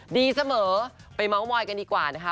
ดีเสมอไปเมาส์มอยกันดีกว่านะคะ